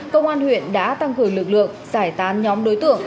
công an huyện đã tăng cường lực lượng giải tán nhóm đối tượng